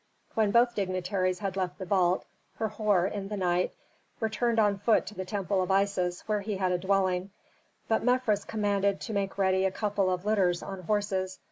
When both dignitaries had left the vault, Herhor, in the night, returned on foot to the temple of Isis where he had a dwelling, but Mefres commanded to make ready a couple of litters on horses.